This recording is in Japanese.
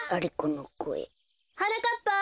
はなかっぱ！